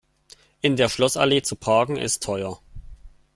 In der Schlossallee zu parken, ist teuer.